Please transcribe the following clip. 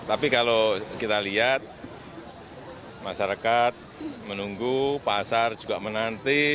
tapi kalau kita lihat masyarakat menunggu pasar juga menanti